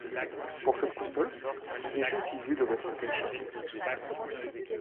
Pour cette console, les jeux utilisés doivent être téléchargés.